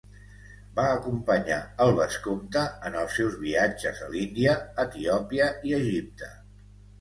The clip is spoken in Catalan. Va acompanyar el vescomte en els seus viatges a l'Índia, Etiòpia i Egipte.